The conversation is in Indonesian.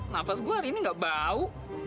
nafas gue hari ini gak bau